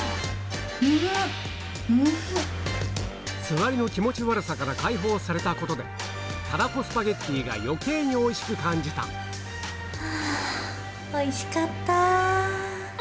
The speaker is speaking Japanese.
つわりの気持ち悪さから解放されたことでたらこスパゲティが余計においしく感じたはぁ。